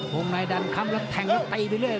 โหงนายดันคำแล้วแทงแล้วเตยไปเรื่อย